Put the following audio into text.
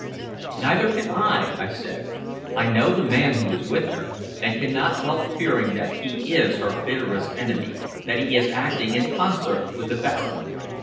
"Neither can I," I said. "I know the man who is with her, and cannot help fearing that he is her bitterest enemy that he is acting in concert with the Baron."